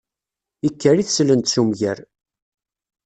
Ikker i teslent s umger.